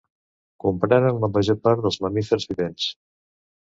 Comprenen la major part dels mamífers vivents.